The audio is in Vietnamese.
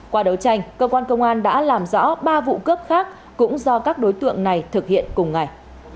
qua đấu tranh cơ quan công an đã làm rõ ba vụ cướp khác cũng do các đối tượng này thực hiện cùng ngày